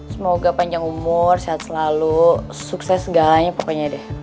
semoga panjang umur sehat selalu sukses segalanya pokoknya deh